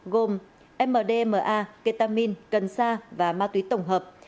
gồm mdma ketamin cần sa và ma túy tổng hợp